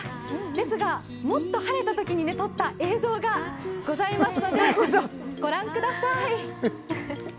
ですが、もっと晴れたときに撮った映像がございますのでご覧ください。